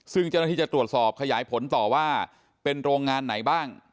ซึ่งเจ้าหน้าที่จะตรวจสอบขยายผลต่อว่าเป็นโรงงานไหนบ้าง